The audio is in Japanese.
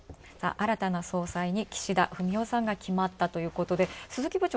新たな総裁に岸田文雄さんが決まったということで、鈴木部長